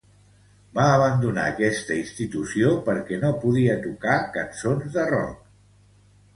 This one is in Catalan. Va abandonar aquesta institució perquè no podia tocar cançons de rock.